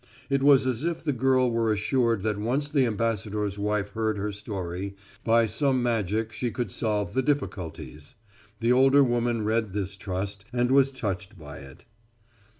It was as if the girl were assured that once the ambassador's wife heard her story, by some magic she could solve the difficulties. The older woman read this trust, and was touched by it.